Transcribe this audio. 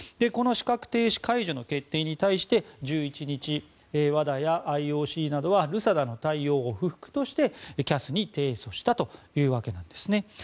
この資格停止解除の決定に対して１１日、ＷＡＤＡやＩＯＣなどはＲＵＳＡＤＡの対応を不服としてＣＡＳに提訴したというわけです。